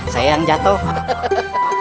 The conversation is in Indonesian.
sayang jatuh aja